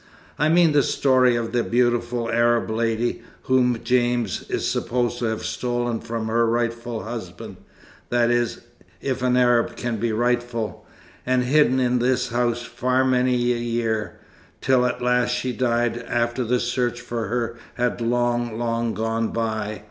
I mean the story of the beautiful Arab lady, whom James is supposed to have stolen from her rightful husband that is, if an Arab can be rightful and hidden in this house far many a year, till at last she died, after the search for her had long, long gone by."